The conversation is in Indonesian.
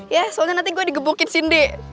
ya soalnya nanti gue digebukin cinde